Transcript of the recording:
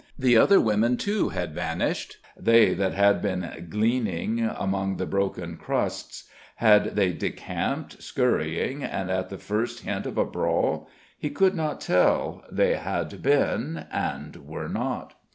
The other women, too, had vanished they that had been gleaning among the broken crusts. Had they decamped, scurrying, at the first hint of the brawl? He could not tell: they had been, and were not.